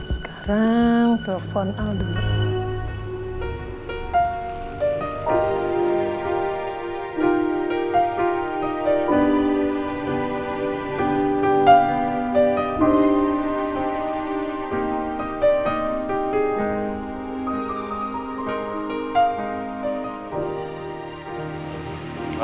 sekarang telepon aldo